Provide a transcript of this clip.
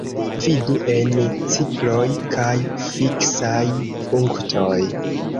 Vidu en cikloj kaj fiksaj punktoj.